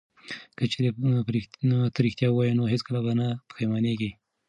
که چیرې ته ریښتیا ووایې نو هیڅکله به نه پښیمانیږې.